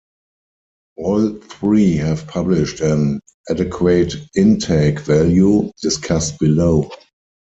All three have published an "Adequate Intake" value, discussed below.